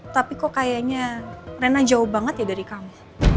tapi kok kayaknya reina jauh banget ya dari kamu